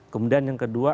kemudian yang kedua